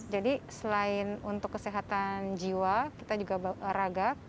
jadi selain untuk kesehatan jiwa kita juga raga